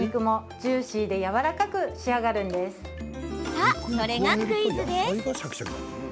さあ、それがクイズです。